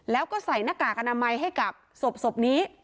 แล้วก็ใส่หน้ากากอนามัยให้กับศพนี้